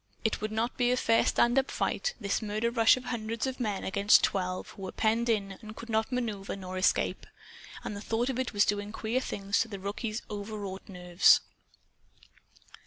It would not be a fair stand up fight, this murder rush of hundreds of men against twelve who were penned in and could not maneuver nor escape. And the thought of it was doing queer things to the rookie's overwrought nerves.